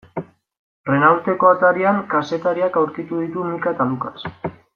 Renaulteko atarian kazetariak aurkitu ditu Micka eta Lucas.